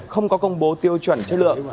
không có công bố tiêu chuẩn chất lượng